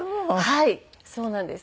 はいそうなんです。